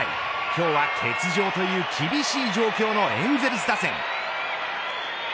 今日は欠場という厳しい状況のエンゼルス打線。